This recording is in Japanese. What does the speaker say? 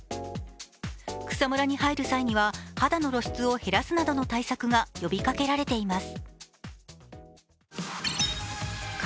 草むらに入る際には肌の露出を減らすなどの対策が呼びかけられています。